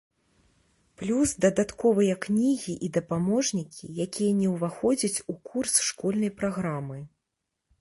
Плюс дадатковыя кнігі і дапаможнікі, якія не ўваходзяць у курс школьнай праграмы.